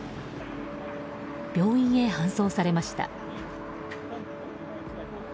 病院へ搬送されました。